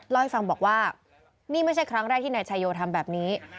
เล่าให้ฟังบอกว่านี่ไม่ใช่ครั้งแรกที่นายชายโยทำแบบนี้